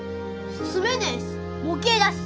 住めねぇし模型だし！